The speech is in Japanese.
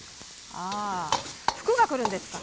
あ福が来るんですか。